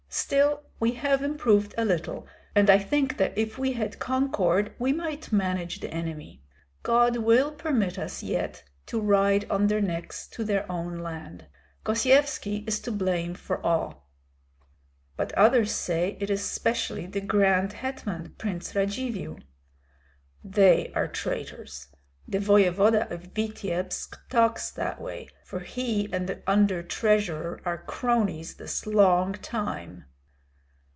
Still we have improved a little, and I think that if we had concord we might manage the enemy. God will permit us yet to ride on their necks to their own land. Gosyevski is to blame for all." "But others say it is specially the grand hetman, Prince Radzivill." "They are traitors. The voevoda of Vityebsk talks that way, for he and the under treasurer are cronies this long time."